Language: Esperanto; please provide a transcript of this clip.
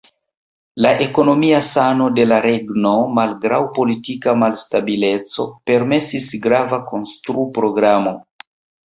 La ekonomia sano de la regno, malgraŭ politika malstabileco, permesis grava konstru-programo.